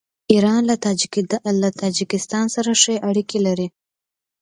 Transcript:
ایران له تاجکستان سره ښې اړیکې لري.